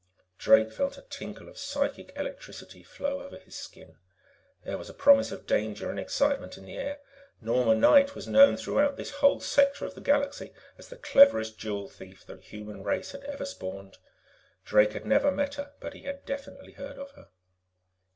Drake felt a tingle of psychic electricity flow over his skin; there was a promise of danger and excitement in the air. Norma Knight was known throughout this whole sector of the Galaxy as the cleverest jewel thief the human race had ever spawned. Drake had never met her, but he had definitely heard of her.